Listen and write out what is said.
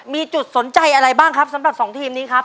มีจุดสนใจอะไรบ้างครับสำหรับ๒ทีมนี้ครับ